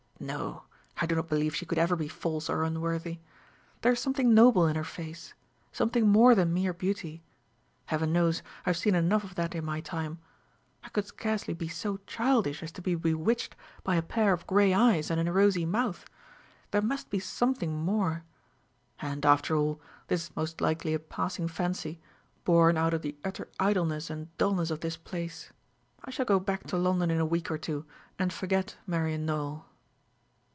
No; I do not believe she could ever be false or unworthy. There is something noble in her face something more than mere beauty. Heaven knows, I have seen enough of that in my time. I could scarcely be so childish as to be bewitched by a pair of gray eyes and a rosy mouth; there must be something more. And, after all, this is most likely a passing fancy, born out of the utter idleness and dulness of this place. I shall go back to London in a week or two, and forget Marian Nowell.